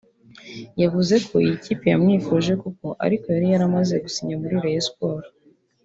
yavuze ko iyi kipe yamwifuje koko ariko yari yaramaze gusinya muri Rayon Sports